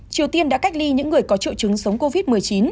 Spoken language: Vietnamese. triều tiên đã cách ly những người có triệu chứng sống covid một mươi chín